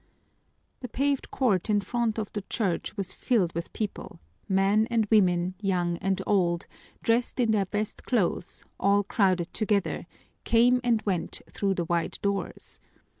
The paved court in front of the church was filled with people; men and women, young and old, dressed in their best clothes, all crowded together, came and went through the wide doors.